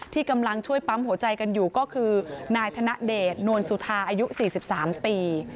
ที่กำลังช่วยปั๊มหัวใจกันอยู่ก็คือนายธนเดชนวลสุธาอายุ๔๓ปี